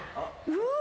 うわ。